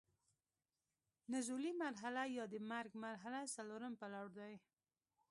نزولي مرحله یا د مرګ مرحله څلورم پړاو دی.